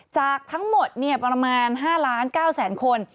จากทั้งหมดประมาณ๕๙๐๐คน